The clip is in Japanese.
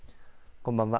こんばんは。